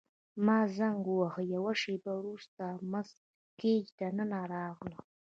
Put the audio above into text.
ما زنګ وواهه، یوه شیبه وروسته مس ګیج دننه راغله.